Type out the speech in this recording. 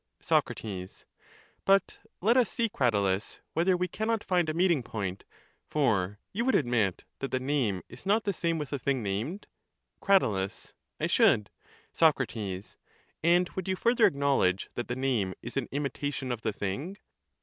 Soc. But let us see, Cratylus, whether we cannot find a meeting point, for you would admit that the name is not the same with the thing named? Crat. I should. Soc. And would you further acknowledge that the name is an imitation of the thing?